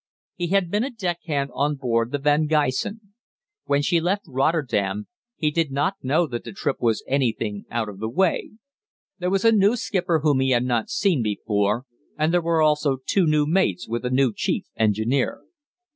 "He had been a deck hand on board the 'Van Gysen.' When she left Rotterdam he did not know that the trip was anything out of the way. There was a new skipper whom he had not seen before, and there were also two new mates with a new chief engineer.